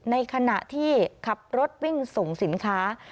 ในขณะที่ขับรถวิ่งส่งสินค้า